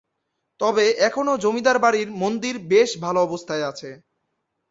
তবে এখনো জমিদার বাড়ির মন্দির বেশ ভালো অবস্থায় আছে।